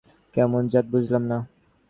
কেমন জাত বুঝলাম না।